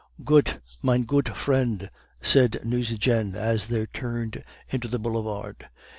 'Goot, mein goot friend,' said Nucingen as they turned into the boulevard.